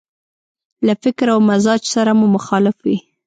له فکر او مزاج سره مو مخالف وي.